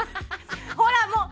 ほらもう！